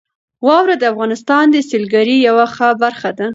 واوره د افغانستان د سیلګرۍ یوه ښه برخه ده.